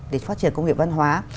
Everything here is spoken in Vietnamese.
để phát triển công nghiệp văn hóa